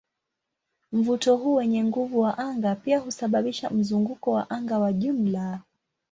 Mvuto huu wenye nguvu wa anga pia husababisha mzunguko wa anga wa jumla.